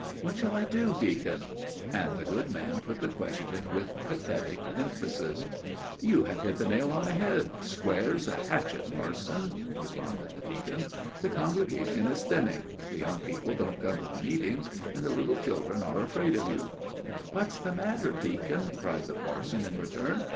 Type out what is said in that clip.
What shall I do, deacon?" and the good man put the question with pathetic emphasis. "You've hit the nail on the head, square as a hatchet, parson," responded the deacon. "The congregation is thinning. The young people don't come to the meetings, and the little children are afraid of you." "What's the matter, deacon?" cried the parson in return.